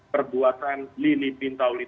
perbuatan lili pintauli